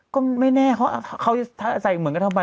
ก็ไม่แน่เขาเขาจะใส่เหมือนกันทำไม